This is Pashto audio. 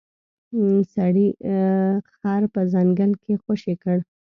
سړي خر په ځنګل کې خوشې کړ.